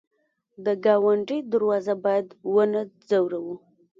د ګاونډي دروازه باید ونه ځوروو